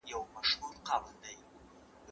د سفر ازادي اقتصاد ته وده ورکوي.